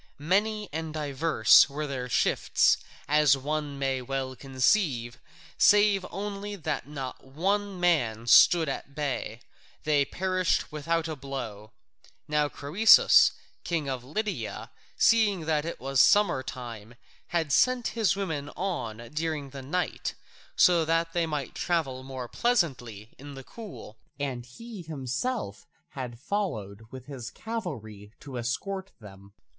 Many and divers were their shifts, as one may well conceive, save only that not one man stood at bay: they perished without a blow. Now Croesus, king of Lydia, seeing that it was summer time, had sent his women on during the night, so that they might travel more pleasantly in the cool, and he himself had followed with his cavalry to escort them.